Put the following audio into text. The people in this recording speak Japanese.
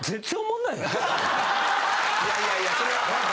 いやいやそれは。